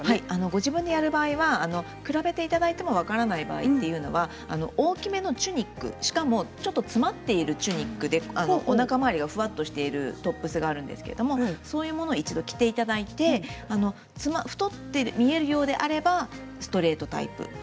自分でやる場合は比べても分からない場合は大きめのチュニックで首元が詰まっていておなか回りがふわりとしているトップスがあるんですがそういうものを着ていただいて太って見えるようであればストレートタイプ。